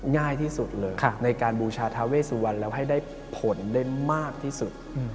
ง่ายที่สุดเลยในการบูชาทาเวสุวรรณแล้วให้ได้ผลได้มากที่สุด